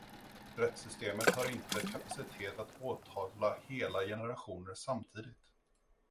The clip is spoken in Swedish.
Rättssystemet har inte kapacitet att åtala hela generationer samtidigt.